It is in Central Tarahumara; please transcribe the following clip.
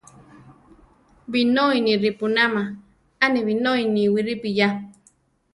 Binói ni ripúnama, a ni binói níwi ripiyá.